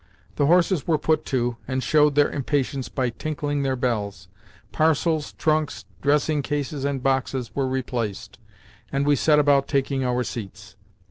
The horses were put to, and showed their impatience by tinkling their bells. Parcels, trunks, dressing cases, and boxes were replaced, and we set about taking our seats.